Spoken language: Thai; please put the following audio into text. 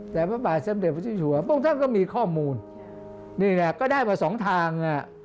แต่พระประสาทเจ้าเด็ดพอที่อยู่ประหว่าง